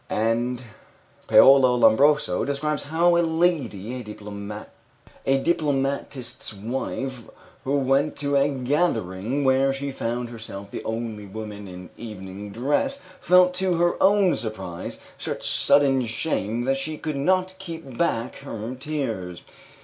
And Paola Lombroso describes how a lady, a diplomatist's wife, who went to a gathering where she found herself the only woman in evening dress, felt, to her own surprise, such sudden shame that she could not keep back her tears.